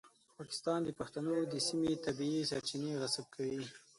پاکستان د پښتنو د سیمې طبیعي سرچینې غصب کوي.